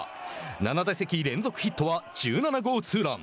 ７打席連続ヒットは１７号ツーラン。